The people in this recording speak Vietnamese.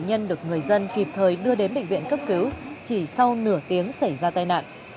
nhân được người dân kịp thời đưa đến bệnh viện cấp cứu chỉ sau nửa tiếng xảy ra tai nạn